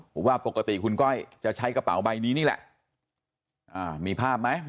ผมว่าปกติคุณก้อยจะใช้กระเป๋าใบนี้นี่แหละอ่ามีภาพไหม